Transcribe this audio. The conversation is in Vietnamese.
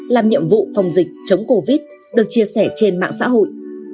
làm nhiệm vụ phòng dịch chống covid được chia sẻ trên mạng xã hội